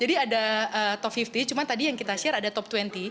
jadi ada top lima puluh cuma tadi yang kita share ada top dua puluh